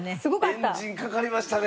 エンジンかかりましたね。